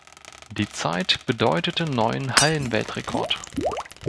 Die Zeit bedeutete neuen Hallenweltrekord.